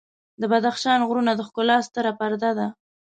د بدخشان غرونه د ښکلا ستره پرده ده.